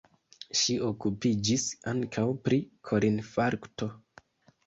Ŝi okupiĝis ankaŭ pri korinfarkto.